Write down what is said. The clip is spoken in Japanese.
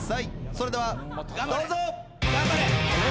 それではどうぞ。